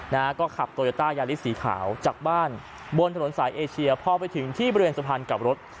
นะฮะก็ขับโตโยต้ายาลิสสีขาวจากบ้านบนถนนสายเอเชียพอไปถึงที่บริเวณสะพานกลับรถ